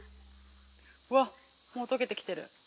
わっ、もう溶けてきてる。